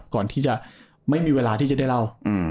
ก่อนที่จะไม่มีเวลาที่จะได้เล่า